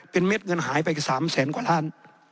เป็นเม็ดเงินหายไป๓แสนกว่าล้าน